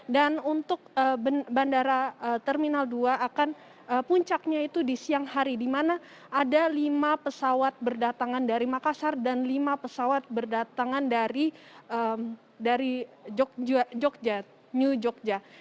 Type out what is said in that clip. dan untuk bandara terminal dua akan puncaknya itu di siang hari di mana ada lima pesawat berdatangan dari makassar dan lima pesawat berdatangan dari new jogja